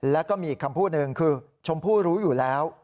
แล้วก็มีอีกคำพูดหนึ่งคือชมพู่รู้อยู่แล้ว